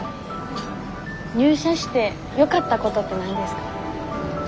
入社してよかったことって何ですか？